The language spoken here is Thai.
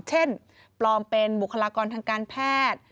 เช่นปลอมเป็นบุคลากรทางการแพทย์